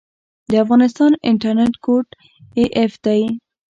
د افغانستان انټرنیټ کوډ af دی